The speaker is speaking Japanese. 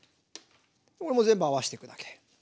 これも全部合わせていくだけ。